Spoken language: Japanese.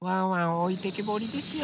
おいてけぼりですよ。